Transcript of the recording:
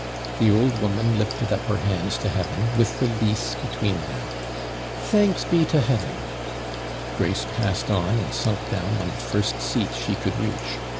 The old woman lifted up her hands to heaven, with the lease between them. 'Thanks be to Heaven!' Grace passed on, and sunk down on the first seat she could reach.